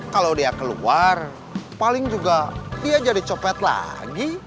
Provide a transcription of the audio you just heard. kalau dia keluar paling juga dia jadi copet lagi